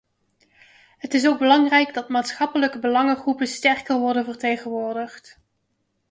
Het is ook belangrijk dat maatschappelijke belangengroepen sterker worden vertegenwoordigd.